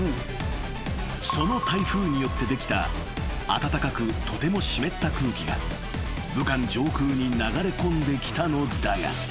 ［その台風によってできた暖かくとても湿った空気が武漢上空に流れ込んできたのだが］